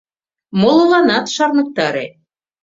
Молыланат шарныктаре...